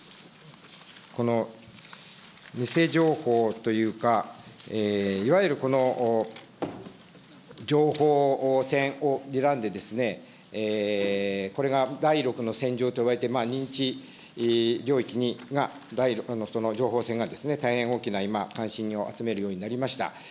この偽情報というか、いわゆる情報戦をにらんで、これが第６の戦場といわれて、認知領域が、の情報戦が大変大きな今、関心を集めるようになりました。